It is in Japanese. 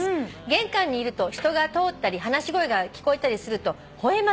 「玄関にいると人が通ったり話し声が聞こえたりすると吠えます」